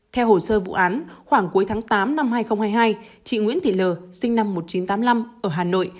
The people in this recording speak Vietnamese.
theo hồ sơ vụ án khoảng cuối tháng tám năm hai nghìn hai mươi hai chị nguyễn thị l sinh năm một nghìn chín trăm tám mươi năm ở hà nội